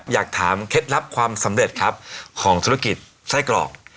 อยากถามเคล็ดลับความสำเร็จครับของธุรกิจไส้กรอก